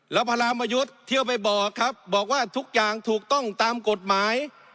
แล้วพระรามยุทธ์เที่ยวไปบอกครับบอกว่าทุกอย่างถูกต้องตามกฎหมาย